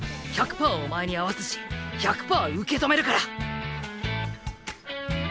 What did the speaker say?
１００％お前に合わすし１００％受け止めるから。